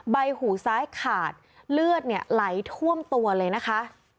ใบหูซ้ายขาดเลือดเนี่ยไหลท่วมตัวเลยนะคะ